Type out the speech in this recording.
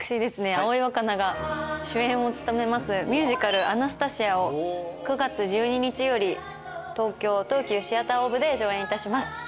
葵わかなが主演を務めますミュージカル『アナスタシア』を９月１２日より東京東急シアターオーブで上演いたします。